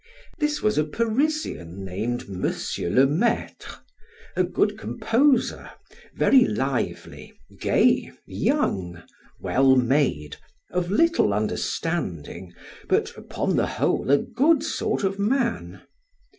This was a Parisian, named M. le Maitre, a good composer, very lively, gay, young, well made, of little understanding, but, upon the whole, a good sort of man.